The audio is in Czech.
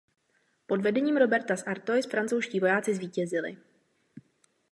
Pod vedením Roberta z Artois francouzští vojáci zvítězili.